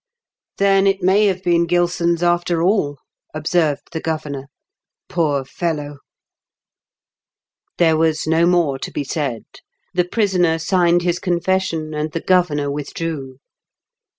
"Then it may have been GUson's, after all/' observed the governor. "Poor fellow 1 " There was no more to be said. The prisoner signed his confession, and the governor with drew.